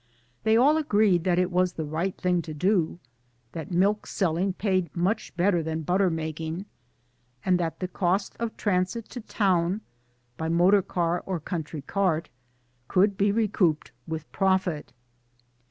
They all agreed that it was the right thing to do, that milk selling paid much! better than butter making and that the cost of transit to town (by motor car or country cart) could be recouped with profit.